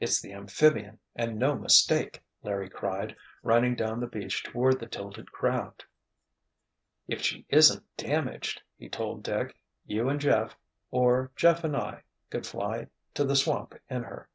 "It's the amphibian, and no mistake!" Larry cried, running down the beach toward the titled craft. "If she isn't damaged," he told Dick, "you and Jeff, or Jeff and I could fly to the swamp in her."